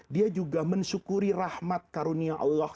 dia juga mensyukuri rahmat karunia allah